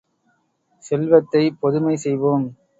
செல்வத்தைப் பொதுமை செய்வோம்!